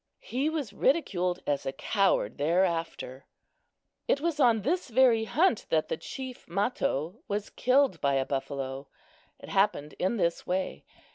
He was ridiculed as a coward thereafter. It was on this very hunt that the chief Mato was killed by a buffalo. It happened in this way.